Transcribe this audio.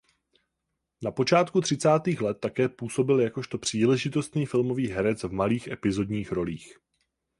Na počátku třicátých let také působil jakožto příležitostný filmový herec v malých epizodních rolích.